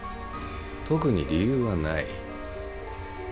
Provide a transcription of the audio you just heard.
特に理由はない。